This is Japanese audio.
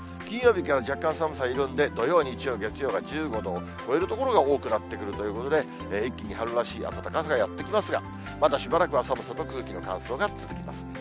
金曜日から若干寒さ緩んで、土曜、日曜、月曜が１５度を超える所が多くなってくるということで、一気に春らしい暖かさがやって来ますが、まだしばらくは寒さと空気の乾燥が続きます。